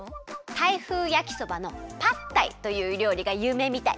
タイ風やきそばのパッタイというりょうりがゆうめいみたい。